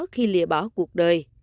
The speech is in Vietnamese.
khi lìa bỏ cuộc đời